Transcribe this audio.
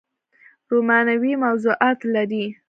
رومانوي موضوعات لري